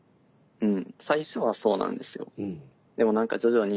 うん。